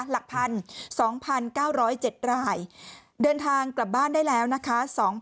หลัก๑๒๙๐๗รายเดินทางกลับบ้านได้แล้วนะคะ